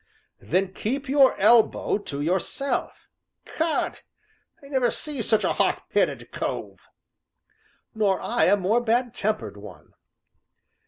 "Then keep your elbow to yourself." "'Cod! I never see such a hot headed cove!" "Nor I a more bad tempered one."